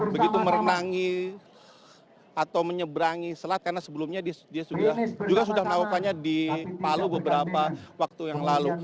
begitu merenangi atau menyeberangi selat karena sebelumnya juga sudah melakukannya di palu beberapa waktu yang lalu